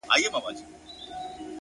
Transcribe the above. پاس توتكۍ راپسي مه ږغـوه ـ